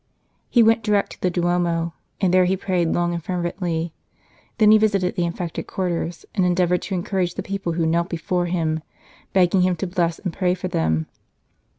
He went direct to the Duomo, and there he prayed long and fervently ; then he visited the infected quarters, and endeavoured to encourage the people, who knelt before him, beg ging him to bless and pray for them.